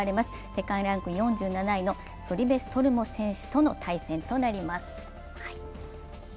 世界ランク４７位のソリベストルモ選手との対戦となります。